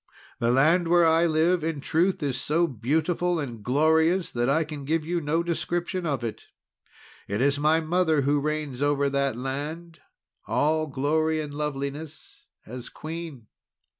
The land where I live, in truth, is so beautiful and glorious that I can give you no description of it. It is my mother who reigns over that land, all glory and loveliness as Queen."